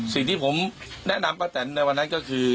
สิ่งที่ผมแนะนำป้าแตนในวันนั้นก็คือ